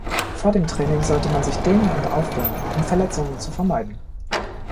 Vor dem Training sollte man sich dehnen und aufwärmen, um Verletzungen zu vermeiden.